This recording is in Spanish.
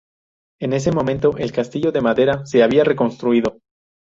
En ese momento, el castillo de madera se había reconstruido.